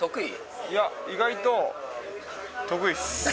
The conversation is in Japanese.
いや、意外と、得意です。